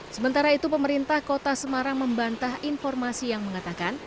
sementara itu pemerintah kota semarang membantah informasi yang mengatakan